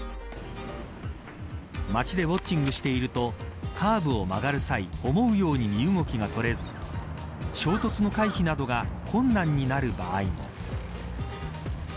街でウオッチングしているとカーブを曲がる際思うように身動きがとれず衝突の回避などが困難になる場合も。